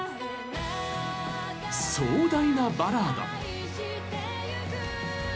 壮大なバラード。